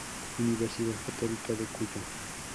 Universidad Católica de Cuyo.